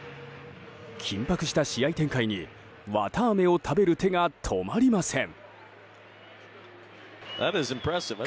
緊迫した試合展開に、綿あめを食べる手が止まりません。